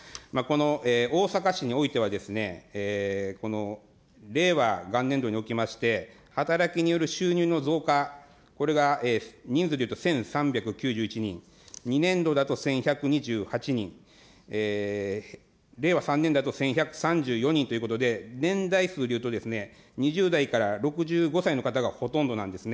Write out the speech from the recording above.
大阪市においては、令和元年度におきまして、働きによる収入の増加、これが人数で言うと１３９１人、２年度だと１１２８人、令和３年だと１１３４人ということで、年代数でいうと、２０代から６５歳の方がほとんどなんですね。